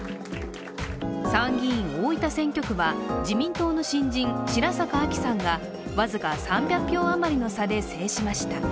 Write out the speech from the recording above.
参議院大分選挙区は自民党の新人白坂亜紀さんが僅か３００票余りの差で制しました。